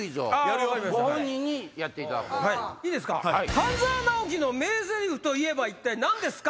半沢直樹の名ゼリフといえば何ですか？